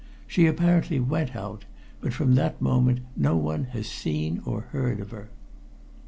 She apparently went out, but from that moment no one has seen or heard of her."